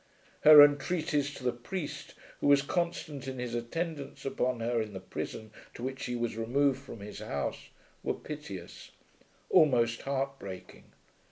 Her entreaties to the priest, who was constant in his attendance upon her in the prison to which she was removed from his house, were piteous, almost heartbreaking.